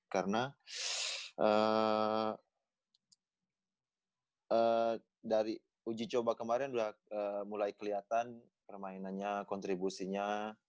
karena dari uji coba kemarin sudah mulai kelihatan permainannya kontribusinya